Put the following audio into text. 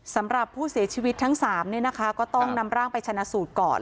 สำหรับผู้เสียชีวิตทั้ง๓เนี่ยนะคะก็ต้องนำร่างไปชนะสูตรก่อน